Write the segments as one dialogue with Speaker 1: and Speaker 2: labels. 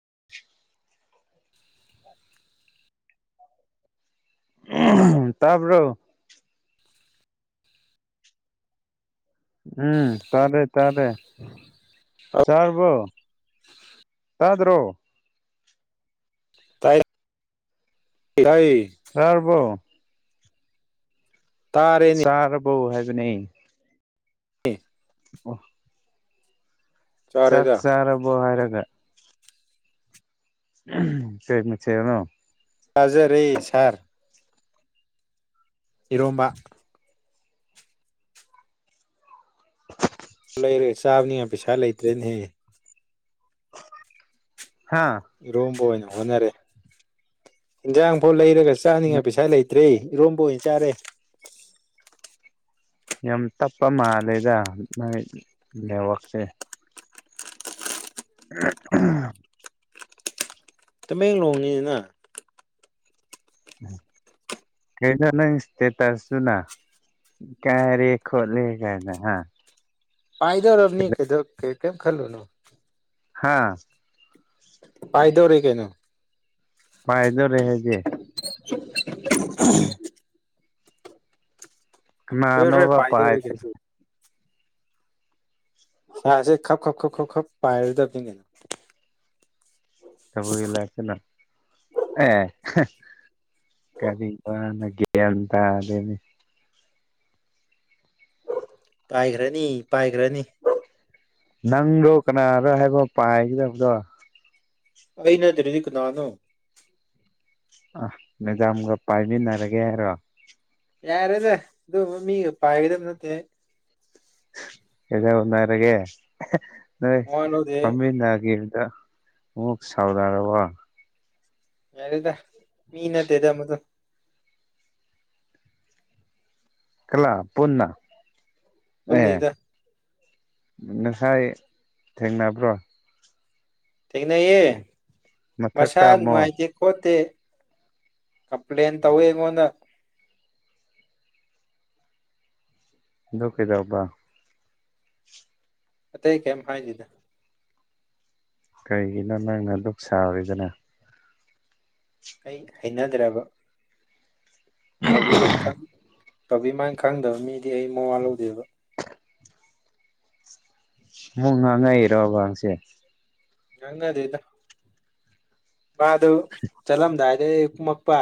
Speaker 1: [inaudible] ꯇꯔꯕꯔ ꯎꯝ ꯇꯔꯦ ꯇꯔꯦ ꯆꯥꯔꯕꯣ ꯇꯥ ꯑꯗꯨ꯭ꯔꯣ
Speaker 2: ꯇꯥꯏ ꯍꯣꯏ
Speaker 1: ꯐꯔꯕꯣ
Speaker 2: ꯇꯥꯔꯦꯅꯤ
Speaker 1: ꯍꯣ ꯍꯥꯏꯕꯨ ꯅ
Speaker 2: ꯎꯝ
Speaker 1: ꯑ ꯆꯥꯛ
Speaker 2: ꯆꯥꯔꯦꯗ
Speaker 1: ꯆꯔꯔꯕ ꯍꯥꯏꯔꯛ ꯃ ꯀꯦꯁꯅꯣ
Speaker 2: ꯀꯖꯔꯦ ꯁꯔ ꯏꯔꯣꯝꯕ ꯐ ꯁꯥꯕꯅꯤ ꯄꯤꯁꯥ ꯂꯩꯇꯔꯅ
Speaker 1: ꯍꯥ
Speaker 2: ꯏꯣꯝꯕꯅ ꯍꯣꯠꯅꯔꯦ ꯏꯟꯖꯥꯡꯐꯥꯎ ꯂꯩꯔꯒ ꯆꯥꯅꯤꯡꯉꯥꯏ ꯄꯩꯁꯥ ꯂꯩꯇ꯭ꯔꯦ ꯏꯔꯣꯝꯕ ꯑꯣꯏꯅ ꯆꯥꯔꯦ
Speaker 1: ꯌꯥꯝ ꯇꯞꯄ ꯃꯥꯜꯂꯦꯗ ꯅꯣꯏ ꯂꯥꯏꯕꯥꯛꯁꯦ ꯎ
Speaker 2: ꯇꯃꯦꯡꯂꯣꯡꯅꯤꯅꯤꯅ
Speaker 1: ꯀꯩꯅꯣ ꯅꯪ ꯏꯁꯇꯦꯇꯁꯁꯨꯅ ꯀꯥꯏꯔꯦ ꯈꯣꯠꯂꯦ ꯀꯥꯏꯅ ꯍꯥ
Speaker 2: ꯄꯥꯏꯗꯧꯔꯅꯤ ꯀꯩꯗ ꯀ ꯀꯦꯝ ꯈꯜꯂꯨꯅ
Speaker 1: ꯍꯥꯥ
Speaker 2: ꯄꯥꯏꯗꯧꯔꯦ ꯀꯩꯅꯣ
Speaker 1: ꯐꯥꯏꯗꯣ ꯔꯦꯁꯦ
Speaker 2: [inaudible]
Speaker 1: ꯅꯣ
Speaker 2: ꯀꯨꯏꯔꯔꯣꯏ
Speaker 1: ꯄꯥꯄ
Speaker 2: ꯄꯥꯏꯗꯧꯔꯦ ꯀꯩꯅꯣ
Speaker 1: ꯍꯥꯏꯁꯤ
Speaker 2: ꯍꯁꯦ ꯈꯞ ꯈꯞ ꯈ ꯈꯞ ꯈꯞ ꯄꯥꯏꯔꯗ ꯀꯅ
Speaker 1: ꯆꯕꯨ ꯏꯂꯁꯦꯅ ꯑꯦ ꯀꯔꯤꯒꯒꯦꯇ ꯑꯗꯨꯗꯦꯅꯦ
Speaker 2: ꯄꯥꯏꯈ꯭ꯔꯅꯤ ꯄꯥꯏꯈ꯭ꯔꯅꯤ
Speaker 1: ꯅꯪꯗꯣ ꯀꯅꯥꯔꯣ ꯍꯥꯏꯕ ꯄꯥꯏꯒꯗꯕꯗꯣ
Speaker 2: ꯑꯩꯅ ꯑꯗꯨꯔꯤꯗꯤ ꯀꯅꯥꯅꯨ
Speaker 1: ꯑ ꯃꯦꯖꯥꯝꯒ ꯄꯥꯏꯃꯤꯟꯅꯔꯒꯦ ꯍꯥꯏꯔꯣ
Speaker 2: ꯌꯥꯔꯦꯅꯦ ꯑꯗꯨ ꯃꯤꯒ ꯄꯥꯏꯒꯗꯕ ꯅꯠꯇꯦ
Speaker 1: ꯑꯦꯗꯔ ꯑꯗꯨꯦ ꯅꯣꯏ
Speaker 2: ꯃꯋꯥ ꯂꯧꯗꯦ
Speaker 1: ꯇꯝꯕꯤꯟ ꯍꯥꯏꯒꯦꯗ ꯃꯛ ꯁꯥꯎꯗꯥꯥꯔꯕ
Speaker 2: ꯌꯥ ꯀ ꯃꯤ ꯅꯠꯇꯦꯗ ꯃꯗꯨ
Speaker 1: ꯀꯂ ꯄꯨꯟꯅ
Speaker 2: ꯄꯨꯟꯅ
Speaker 1: ꯑꯦ
Speaker 2: ꯏꯗ
Speaker 1: ꯉꯁꯥꯏ ꯊꯦꯡꯅꯕ꯭ꯔꯣ
Speaker 2: ꯊꯅꯌꯦ
Speaker 1: ꯃꯊꯛꯇ
Speaker 2: ꯃꯁꯥꯗ
Speaker 1: ꯑꯃꯨꯛ
Speaker 2: ꯃꯥꯥꯏꯗꯤ ꯀꯣꯠꯇꯦ ꯀꯝꯄ꯭ꯂꯦꯟꯦꯟ ꯇꯧꯋꯦꯉꯣꯟꯅ
Speaker 1: ꯂꯗꯨ ꯀꯗꯕꯕꯥ
Speaker 2: ꯃ ꯍ ꯀꯦ ꯍꯥꯏꯗꯗ
Speaker 1: ꯀꯩꯒꯤꯅꯣ ꯅꯪꯅ ꯗꯨꯛ ꯁꯥꯔꯤꯗꯅ
Speaker 2: ꯑꯩ ꯍꯩꯅꯗ꯭ꯔꯕ ꯇꯧꯕꯤꯃ ꯏꯈ ꯇꯧꯕꯤꯃꯅ ꯈꯪꯗꯕ ꯃꯤꯗꯤ ꯑꯩ ꯃꯋꯥ ꯂꯧꯗꯦꯕ
Speaker 1: ꯃꯨ ꯉꯥꯡꯉꯥꯏ ꯏꯔꯣꯕꯥꯡꯁꯦ
Speaker 2: ꯍꯪꯗꯦ ꯏꯗ ꯕꯥ ꯑꯗꯨ ꯆꯜꯂꯝꯗꯥꯏ ꯑꯦ ꯏꯃꯄꯥ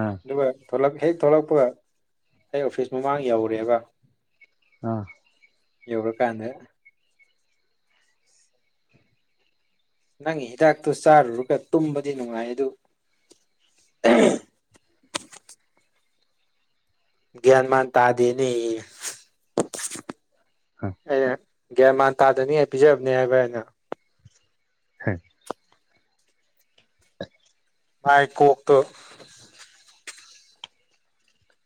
Speaker 1: ꯑꯥ
Speaker 2: ꯑꯗꯨꯕ ꯊꯂꯛ ꯍꯦꯛ ꯊꯣꯛꯂꯛꯄꯒ ꯑꯩ ꯑꯣꯐꯤꯁ ꯃꯃꯥꯡ ꯌꯧꯔꯦꯒ
Speaker 1: ꯑꯥ
Speaker 2: ꯌꯧꯔ ꯀꯥꯟꯗ ꯅꯪꯒꯤ ꯍꯤꯗꯥꯛꯇꯨ ꯆꯥꯔꯨꯔꯒ ꯇꯨꯝꯕꯗꯤ ꯅꯨꯡꯉꯥꯏ ꯑꯗꯨ ꯒ꯭ꯌꯥꯟ ꯃꯥꯟ ꯇꯗꯦꯅꯦ꯫ [unintelligible] ꯒ꯭ꯌꯥꯟ ꯃꯥꯟ ꯇꯥꯗꯅꯤꯉꯥꯏ ꯄꯤꯖꯕꯅꯦ ꯍꯥꯏꯕ ꯑꯩꯅ꯫
Speaker 1: [unintelligible]
Speaker 2: ꯃꯥꯥꯏ ꯀꫭꯛ ꯇꯣ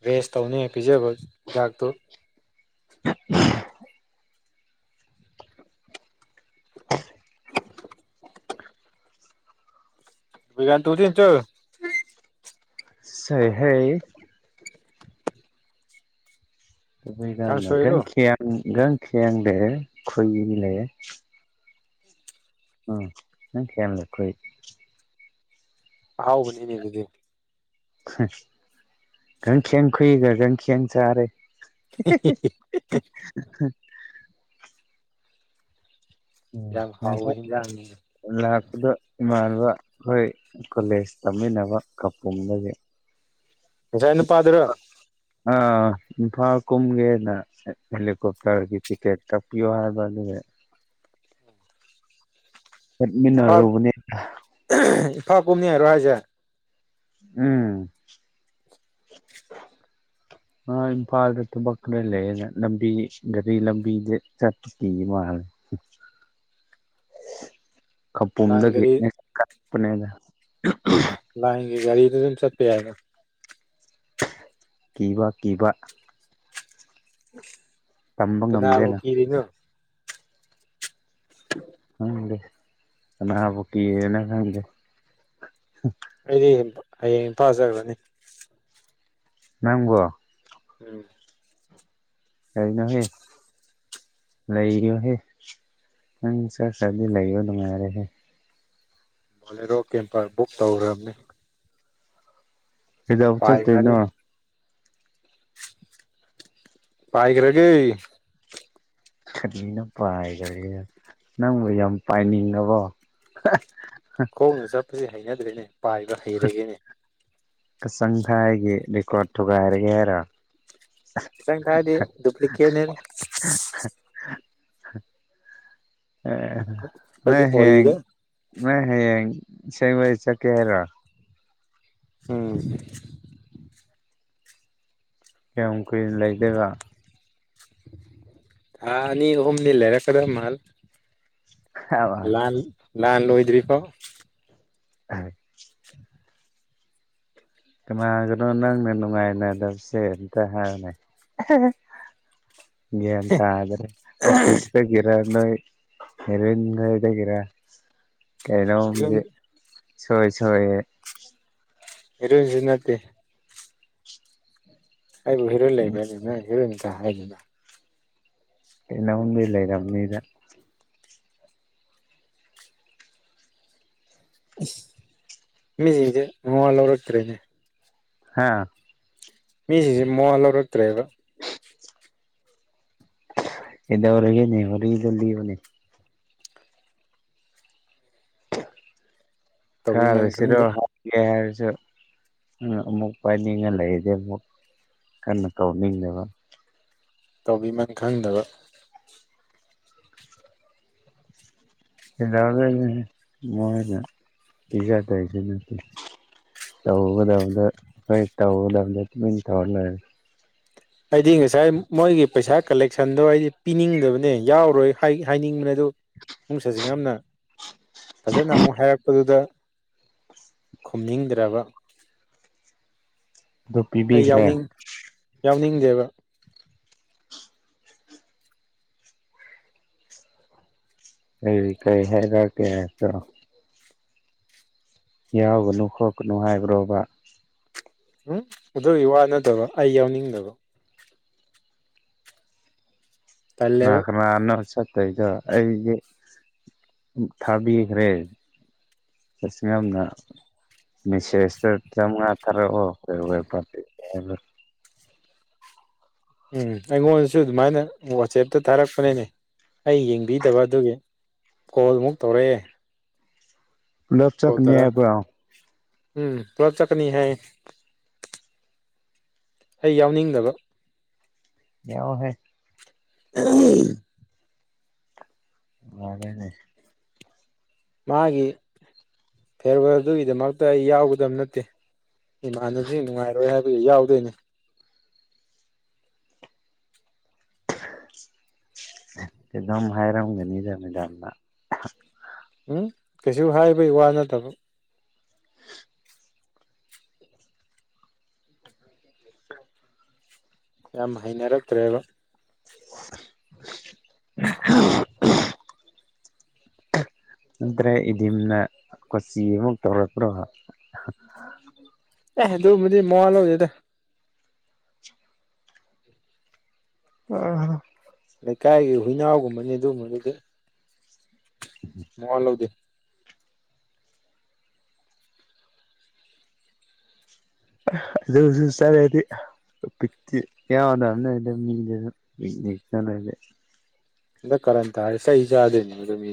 Speaker 2: ꯋꯦꯁ ꯇꯧꯅꯤ ꯄꯤꯖꯕ ꯍꯤꯗꯥꯛꯇꯨ
Speaker 1: [unintelligible]
Speaker 2: [unintelligible] [unintelligible]
Speaker 1: ꯁꯩꯍꯩ
Speaker 2: ꯀꯥꯡꯁꯣꯏꯔꯣ
Speaker 1: [unintelligible] ꯒꯥꯡꯈ꯭ꯌꯦꯡꯂꯦ ꯈꯨꯏꯂꯦ [unintelligible]
Speaker 2: ꯑꯍꯥꯎꯕꯅꯤꯅꯦ ꯑꯗꯨꯗꯤ꯫
Speaker 1: [unintelligible] ꯆꯥꯔꯦ꯫
Speaker 2: ꯍꯦ ꯍꯦ ꯍꯦ ꯍꯤ ꯍꯦ
Speaker 1: ꯎꯝ
Speaker 2: ꯌꯥꯝ ꯍꯥꯎꯕ
Speaker 1: ꯉꯁꯥꯏ
Speaker 2: ꯍꯤꯟꯖꯥꯡꯅꯤꯅꯦ
Speaker 1: ꯂꯥꯛꯄꯗ ꯏꯃꯥꯟ ꯗꯨꯒ ꯑꯈꯣꯏ ꯀꯣꯂꯦꯖ ꯇꯝꯃꯤꯟꯅꯕ ꯀꯥꯄꯨꯝꯗꯒꯤ
Speaker 2: ꯉꯁꯥꯏ ꯅꯨꯄꯥꯗꯨꯔꯣ
Speaker 1: ꯑ ꯏꯝꯐꯥꯜ ꯀꯨꯝꯒꯦꯅ ꯍꯦꯂꯤꯀꯣꯞꯇꯔꯒꯤ ꯇꯤꯛꯀꯦꯠ ꯀꯛꯄꯤꯌꯣ ꯍꯥꯏꯕꯗꯨꯒꯤ꯫ ꯆꯠꯃꯤꯟꯅꯔꯨꯕꯅꯦꯗ꯫
Speaker 2: ꯊꯥ ꯀꯨꯝꯅꯤ ꯉꯥꯏꯔꯣ ꯍꯥꯏꯁꯦ꯫
Speaker 1: ꯎꯝ ꯑ ꯏꯝꯐꯥꯜꯗ ꯊꯕꯛ ꯈꯔ ꯂꯩꯌꯦꯅꯦ ꯂꯝꯕꯤ ꯒꯔꯤ ꯂꯝꯕꯤꯗ ꯆꯠꯄ ꯀꯤ ꯃꯥꯜꯂꯦ꯫
Speaker 2: ꯂꯥꯏꯟ
Speaker 1: ꯈꯄꯨꯝꯗꯒꯤ
Speaker 2: ꯒꯥꯔꯤ
Speaker 1: ꯅꯦꯠ ꯀꯥꯏ ꯄꯨꯅꯦꯗ
Speaker 2: ꯂꯥꯏꯟꯒꯤ ꯒꯥꯔꯤꯗ ꯁꯨꯝ ꯆꯠꯄ ꯌꯥꯏꯌꯦꯅ꯫
Speaker 1: ꯀꯤꯕꯥ-ꯀꯤꯕꯥ
Speaker 2: [unintelligible] ꯀꯅꯥꯕꯨ
Speaker 1: ꯉꯝꯗꯦꯅ
Speaker 2: ꯀꯤꯔꯤꯅꫭ꯫
Speaker 1: ꯈꯪꯗꯦ ꯀꯅꯥꯕꯨ ꯀꯤꯔꯤꯅꫭ ꯈꯪꯗꯦ꯫
Speaker 2: ꯑꯩꯗꯤ ꯍꯌꯦꯡ ꯏꯝꯐꯥꯜ ꯆꯠꯈ꯭ꯔꯅꯤ꯫
Speaker 1: ꯅꯪꯕꯨ꯫
Speaker 2: ꯎꯝ
Speaker 1: ꯀꯔꯤꯅꯣꯍꯦ ꯂꯩꯔꯤꯑꫭꯍꯦ ꯅꯪ ꯆꯠ ꯆꯠꯃꯤꯟꯅꯒꯤꯕ ꯅꯨꯡꯉꯥꯏꯔꯦꯍꯦ꯫
Speaker 2: ꯕꯣꯂꯦꯔꯣ ꯀꯦꯝꯄꯔ ꯕꯨꯛ ꯇꯧꯈ꯭ꯔꯕꯅꯦ꯫
Speaker 1: ꯀꯩꯗꯧꯕ
Speaker 2: ꯄꯥꯏꯈ꯭ꯔꯅꯤ
Speaker 1: ꯆꯠꯇꫭꯏꯅꫭ꯫
Speaker 2: ꯄꯥꯏꯈ꯭ꯔꯒꯦ꯫
Speaker 1: ꯀꯔꯤꯅꫭ ꯄꯥꯏꯈ꯭ꯔꯒꯦ ꯅꯪꯕꯨ ꯌꯥꯝ ꯄꯥꯏꯅꯤꯡꯑꯕꯣ꯫
Speaker 2: ꯀꫭꯡꯅ ꯆꯠꯕꯁꯦ ꯍꯩꯅ ꯗ꯭ꯔꯦꯅꯦ ꯄꯥꯏꯕ ꯍꯩꯔꯒꯦꯅꯦ
Speaker 1: ꯀꯆꯪ ꯊꯥꯏꯒꯤ ꯔꯦꯀꯣꯔꯠ ꯊꯨꯒꯥꯏꯔꯒꯦ ꯍꯥꯏꯔꫭ
Speaker 2: ꯆꯪ ꯊꯥꯏꯗꯤ ꯗꯨꯄꯂꯤꯀꯦꯠꯅꯦ
Speaker 1: [inaudible] ꯑꯦ
Speaker 2: ꯑꯩꯈꯣꯏꯗꯤ
Speaker 1: ꯅꫭꯏꯍꯌꯦꯡ
Speaker 2: ꯑꯣꯔꯤꯗ
Speaker 1: ꯅꫭꯏꯍꯌꯦꯡ ꯑꯁꯦꯡꯕꯩ ꯆꯠꯀꯦ ꯍꯥꯏꯔꫭ
Speaker 2: ꯎꯝ
Speaker 1: ꯀꯌꯥꯝ ꯀꯨꯏꯅ ꯂꯩꯗꯒ
Speaker 2: ꯊꯥꯑꯅꯤ ꯑꯍꯨꯝꯗꯤ ꯂꯩꯔꯛ ꯀꯗ ꯃꯥꯜꯂꯤ ꯂꯜ ꯂꯥꯟ ꯂꯣꯏ ꯍꯧꯖꯤꯛ ꯐꯥꯎ
Speaker 1: ꯑ ꯀꯅꯒꯅꯣ ꯅꯪꯅ ꯅꯨꯡꯉꯥꯏꯅꯗꯕꯁꯦ ꯑꯝꯇ ꯍꯥꯏꯌꯨꯅꯦ ꯒꯤꯌꯟ ꯇꯗꯔꯦ ꯑꫭꯐꯤꯁ ꯇꯒꯤꯔ ꯅꫭꯏ ꯍꯔꯟ ꯍꯗꯒꯦꯔꯥ ꯀꯩꯩꯅꫭꯝꯗꯤ ꯁꯣꯏ ꯁꯣꯏ
Speaker 2: ꯏꯔꯣꯏꯁꯤ ꯅꯠꯇꯦ ꯑꯩꯕꯨ ꯍꯤꯔꯣꯏꯟ ꯂꯩꯕꯔꯅꯦ ꯍꯤꯔꯣꯏꯟ ꯑ ꯍꯥꯏꯅ
Speaker 1: ꯀꯩꯅꫭꯝꯗꯤ ꯂꯩꯔꯝꯅꯤꯗ
Speaker 2: ꯏꯁ ꯃꯤꯒꯖꯩ ꯃꯥꯋꯥ ꯂꯧꯔꯛꯇꯔꯦꯅꯦ
Speaker 1: ꯍꯥꯥ
Speaker 2: ꯃꯤꯖꯤꯡꯖꯦ ꯃꯥꯋꯥ ꯂꯧꯔꯛꯇ꯭ꯔꯦꯕ
Speaker 1: ꯀꯩꯗꫭꯏꯔꯒꯦꯅꯦ ꯋꯥꯔꯤꯗꫭ ꯂꯤꯌꯨꯅꯦ [unintelligible] ꯀꯔ
Speaker 2: ꯇꯧꯕꯤꯃꯟ ꯈꯪꯗ
Speaker 1: ꯁꯤꯔꫭ ꯍꯥꯎ ꯍꯥꯏ ꯁꯨ ꯑꯃꯨꯛ ꯄꯥꯏꯅꯤꯡꯉ ꯂꯩꯔꯗꯤ ꯑꯃꯨꯛ ꯀꯟꯅ ꯇꯧꯅꯤꯡꯗꯕ
Speaker 2: ꯇꯧꯕꯤꯃꯟ ꯈꯪꯗꯕ
Speaker 1: ꯂꯩ ꯃꯣꯏꯅ ꯄꯤꯖꯗꯣꯏꯁꯤ ꯅꯠꯇꯦ ꯇꯧꯒꯗꯕꯗ ꯑꯩꯈꯣꯏ ꯇꯧꯒꯗꯕꯗ ꯇꯨꯃꯤꯟ ꯇꯧꯔ ꯂꯩꯔꯦ
Speaker 2: ꯍꯥꯏꯗꯤ ꯉꯁꯥꯏ ꯃꯣꯏꯒꯤ ꯄꯩꯁꯥ ꯀꯂꯦꯛꯁꯟꯗꯣ ꯑꯩꯗꯤ ꯄꯤꯅꯤꯡꯗꯕꯅꯦ ꯌꯥꯎꯔꯣꯏ ꯍꯥꯏꯅꯤꯡꯕꯅꯦ ꯑꯗꯨ ꯑꯃꯛ ꯁꯥꯁꯤꯡ ꯌꯥꯝꯅ ꯐꯖꯅ ꯑꯃꯨꯛ ꯍꯥꯏꯔꯛꯄ ꯑꯗꯨꯗ ꯈꯨꯝꯅꯤꯡꯗ꯭ꯔꯕ
Speaker 1: ꯑꯗꯨ
Speaker 2: ꯑꯩ
Speaker 1: ꯄꯤꯕꯤꯈ꯭ꯔꯦ
Speaker 2: ꯌꯥꯎꯅꯤꯡ ꯌꯥꯎꯅꯤꯡ ꯗꯦꯕ
Speaker 1: ꯑꯩ ꯀꯩ ꯍꯥꯏꯔꯒꯦ ꯀꫭ ꯌꯥꯎꯒꯅꯨ ꯈꯣꯛꯀꯅꯨ ꯍꯥꯏꯕ꯭ꯔꯣꯕ
Speaker 2: ꯎꯝ ꯑꯗꯨꯒꯤ ꯋꯥꯅꯗꯕ ꯑꯩ ꯌꯥꯎꯅꯤꯡꯗꯕ ꯇꯜꯂꯦꯕ
Speaker 1: ꯀꯈꯅ ꯑꯅ ꯆ ꯑꯩꯗ ꯑꯩꯗꯤ ꯊꯥꯕꯤꯈ꯭ꯔꯦ ꯆꯁꯤ ꯌꯥꯝꯅ ꯃꯦꯁꯦꯖꯇ ꯆꯝꯃꯉꯥ ꯈꯔꯦ ꯑꯣ ꯍ ꯑꯣꯏꯔ ꯐ ꯎ
Speaker 2: ꯎꯝ ꯑꯩꯉꯣꯟꯗꯁꯨ ꯑꯗꯨꯃꯥꯏꯅ ꯋꯥꯆꯦꯞꯇ ꯊꯥꯔꯛꯄꯅꯤꯅꯦ ꯑꯩ ꯌꯦꯡꯕꯤꯗꯕ ꯑꯗꯨꯒꯤ ꯀꯣꯜꯃꯨꯛ ꯇꯧꯔꯛꯑꯦ
Speaker 1: ꯂꯆꯛ
Speaker 2: ꯀꯣꯜ
Speaker 1: ꯅ꯭ꯏ
Speaker 2: ꯇꯧꯔ
Speaker 1: ꯄ
Speaker 2: ꯎꯝ ꯀꯂꯞ ꯆꯀꯅꯤ ꯍꯥꯏ ꯑꯩ ꯌꯥꯎꯅꯤꯡꯗꯕ
Speaker 1: ꯌꯥꯎ ꯐ
Speaker 2: ꯑ
Speaker 1: ꯑꯔꯦꯅꯦ
Speaker 2: ꯃꯥꯒꯤ ꯐꯦꯔꯔ ꯑꯗꯨꯒꯤꯗꯃꯛꯇ ꯑꯩ ꯌꯥꯎꯒꯗꯕ ꯅꯠꯇꯦ ꯏꯃꯥꯟꯅꯁꯤ ꯅꯨꯡꯉꯥꯏꯔꯣꯏ ꯍꯥꯏꯕ ꯑꯩ ꯌꯥꯎꯗꯣꯏꯅꯦ
Speaker 1: ꯆ ꯑꯗꯨꯝ ꯍꯥꯏꯔꯝꯒꯅꯤꯗꯃꯤꯗꯥꯝꯗ
Speaker 2: ꯎꯝ ꯀꯩꯁꯨ ꯍꯥꯏꯕꯩ ꯋꯥ ꯅꯠꯇꯕ ꯌꯥꯝ ꯍꯩꯅꯔꯛꯇ꯭ꯔꯦꯕ
Speaker 1: [inaudible] ꯅꯠꯇ꯭ꯔꯦ ꯏꯗꯤꯝꯅ ꯀꯣꯆꯤ ꯑꯃꯨꯛ ꯇꯧꯔꯛꯄ꯭ꯔꯣ
Speaker 2: ꯑꯦ ꯑꯗꯨꯕꯨꯗꯤ ꯃꯉꯥꯜ ꯂꯧꯗꯦꯗ
Speaker 1: ꯑ
Speaker 2: ꯂꯩꯀꯥꯏꯒꯤ ꯍꯨꯏꯅꯥꯎꯒꯨꯝꯕꯅꯤ ꯑꯗꯨꯒꯝꯕꯗꯨꯗꯤ ꯃꯣꯟ ꯂꯧꯗ
Speaker 1: ꯗꯤꯤ ꯋꯥꯦ
Speaker 2: ꯀꯔ ꯇ ꯍꯥꯏꯁ ꯏꯖ ꯑꯗꯨꯗꯦꯅꯤ ꯑꯗꯨꯝꯦ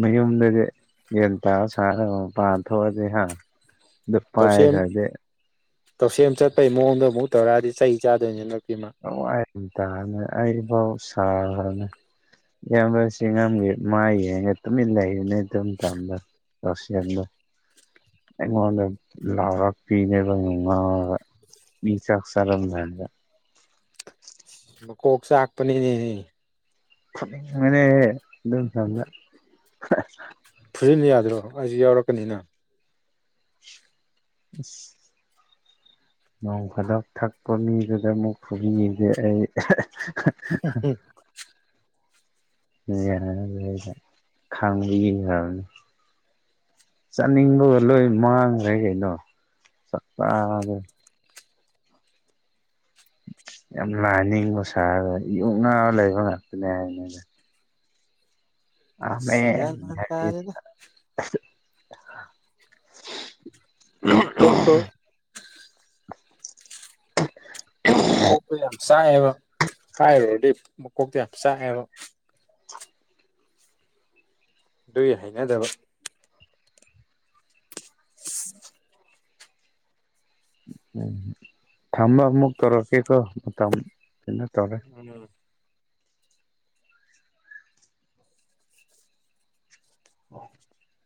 Speaker 1: ꯃꯌꯨꯝꯗꯗꯤ ꯌꯦꯟꯇꯥꯥ ꯁꯥꯥꯟꯅꯕ ꯃ ꯄꯥꯟ ꯊꯣꯛꯣꯛꯑꯗꯤꯦ ꯍꯥ ꯄꯥ
Speaker 2: ꯇꯧꯁꯦꯝ
Speaker 1: ꯈꯗꯦ
Speaker 2: ꯇꯧꯁꯦꯝ ꯆꯠꯄꯒꯤ ꯃꯑꯣꯡꯗ ꯑꯃꯨꯛ ꯇꯧꯔꯛꯑꯗꯤ ꯆꯩ ꯆꯥꯗꯣꯏꯅꯤꯅ
Speaker 1: ꯑ ꯇꯕꯥꯎ ꯁꯥꯈ꯭ꯔꯅꯦ ꯏꯌꯥꯝꯕꯁ ꯉꯒꯤꯦ ꯃꯥ ꯌꯦꯡꯉꯒ ꯇꯨꯃꯤꯠ ꯂꯩꯔꯤꯅꯦ ꯑꯗꯨꯝ ꯊꯝꯕ ꯂꯧꯣꯁꯦꯜꯗ ꯑꯩꯉꯣꯟꯗ ꯂꯥꯎꯔꯄꯤꯤꯅꯕ ꯅꯨꯡ ꯉꯥꯎꯔꯒ ꯃꯤ ꯆꯥꯛ ꯆꯥꯔꯝꯗꯥꯗ
Speaker 2: ꯃꯀꯣꯛ ꯆꯥꯛꯄꯅꯤꯅꯦ
Speaker 1: ꯃ ꯗ ꯁꯗ
Speaker 2: ꯐꯨꯖꯤꯅ ꯌꯥꯗ꯭ꯔꯣ ꯑꯩꯁꯨ ꯌꯥꯎꯔꯛꯀꯅꯤꯅ
Speaker 1: ꯑꯁ ꯅꯣꯡ ꯈꯨꯗꯛ ꯊꯛꯄ ꯃꯤꯗꯨꯗ ꯑꯃꯨꯛ ꯈꯨꯕꯤꯁꯦ ꯑꯩ
Speaker 2: [inaudible]
Speaker 1: ꯌꯥꯔꯔꯦꯗ ꯈꯥꯡꯕ ꯌꯦꯡꯈ꯭ꯔꯕꯅꯤ ꯆꯥꯅꯤꯡꯕꯒ ꯂꯣꯏ ꯃꯥꯡꯈ꯭ꯔꯦ ꯀꯩꯅꯣ ꯆꯥꯛ ꯆ ꯌꯥꯝ ꯂꯥꯏꯅꯤꯡꯕ ꯁꯥꯔꯒ ꯌꯌꯨꯛꯅꯥ ꯂꯩꯕ ꯉꯥꯛꯇꯅꯦ ꯍꯥꯏꯅꯤꯅꯦ ꯑ [inaudible]
Speaker 2: ꯑꯁ ꯒ꯭ꯌꯥꯟ ꯃꯥꯟ ꯇꯥꯗꯦꯗ ꯃꯀꯣꯛꯇꯣ
Speaker 1: [inaudible]
Speaker 2: ꯃꯀꯣꯛꯇꯣ ꯌꯥꯝ ꯆꯥꯏꯌꯦꯕ ꯀꯥꯏꯗꯒꯤ ꯃꯀꯣꯛꯇ ꯌꯥꯝ ꯆꯥꯛ ꯑ ꯕ꯫
Speaker 1: [inaudible]
Speaker 2: ꯑꯗꯨꯏ ꯍꯩꯅꯗꯕꯥ꯫ [inaudible]
Speaker 1: ꯎꯝ ꯊꯝꯕ ꯃꯨꯛ ꯇꯔꯣ ꯀꯦꯀꯣ ꯃꯇꯥꯝ ꯀꯩꯅꯣ ꯇꯧꯔꯦ꯫
Speaker 2: ꯎꯝ
Speaker 1: [inaudible]